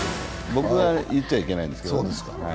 僕が言っちゃいけないんですけどね。